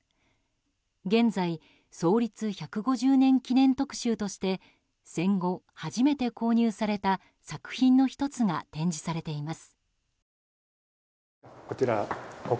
現在創立１５０年記念特集として戦後初めて購入された作品の１つが展示されています。